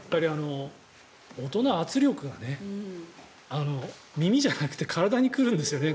音の圧力が、耳じゃなくて体に来るんですよね。